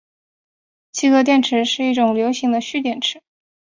镍镉电池是一种流行的蓄电池。